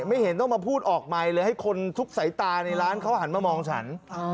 ไม่เห็นต้องมาพูดออกไมค์เลยให้คนทุกสายตาในร้านเขาหันมามองฉัน